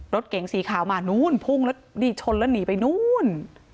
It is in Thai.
รถเก๋งสีขาวมานู้นพุ่งแล้วนี่ชนแล้วหนีไปนู่น